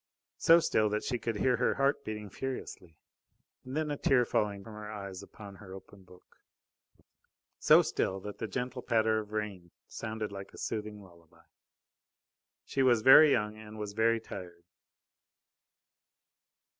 So still that she could hear her heart beating furiously, and then a tear falling from her eyes upon her open book. So still that the gentle patter of the rain sounded like a soothing lullaby. She was very young, and was very tired.